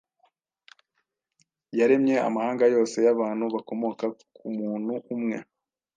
yaremye amahanga yose y’abantu, bakomoka ku muntu umwe,